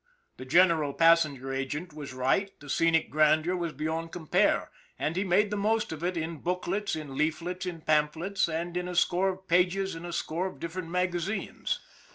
The general passenger agent was right the scenic grandeur was beyond compare, and he made the most of it in booklets, in leaflets, in pamphlets, and in a score of pages in a score of different magazines.